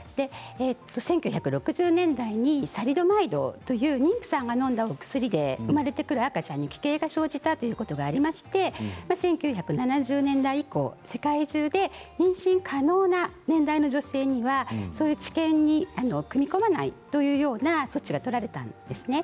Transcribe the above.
１９６０年代にサリドマイドという妊婦さんがのんだお薬で、生まれてくる赤ちゃんに奇形が生じたということが起きまして１９７０年代以降世界中で妊娠可能な年代の女性にはそういう治験に組み込まないというような措置が取られたんですね。